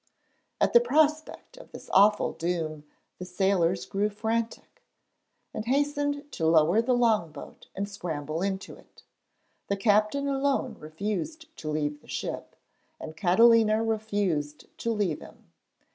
] At the prospect of this awful doom the sailors grew frantic, and hastened to lower the long boat and scramble into it. The captain alone refused to leave the ship, and Catalina refused to leave him.